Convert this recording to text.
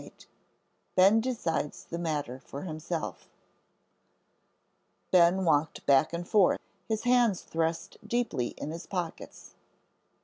XXVIII BEN DECIDES THE MATTER FOR HIMSELF Ben walked back and forth, his hands thrust deeply in his pockets.